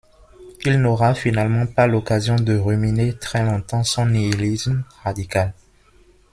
Il n’aura finalement pas l’occasion de ruminer très longtemps son nihilisme radical.